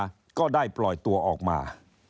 แล้วก็สุดท้ายขึ้นมา